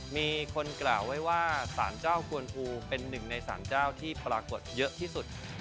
มีคนกล่าวไว้ว่าสารเจ้ากวนภูเป็นหนึ่งในสารเจ้าที่ปรากฏเยอะที่สุด